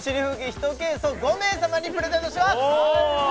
１ケースを５名様にプレゼントしますお！